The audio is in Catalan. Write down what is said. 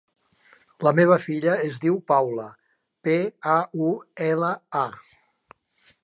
La meva filla es diu Paula: pe, a, u, ela, a.